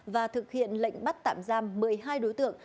và thực hiện lệnh bắt tạm giam một mươi hai đối tượng